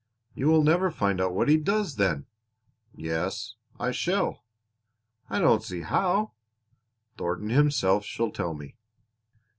"You will never find out what he does, then." "Yes, I shall." "I don't see how." "Thornton himself shall tell me."